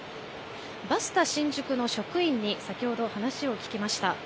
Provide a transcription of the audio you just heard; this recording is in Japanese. バスタ新宿の職員に先ほど話を聞きました。